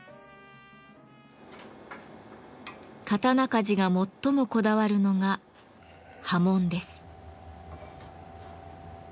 刀鍛冶が最もこだわるのが刃文です。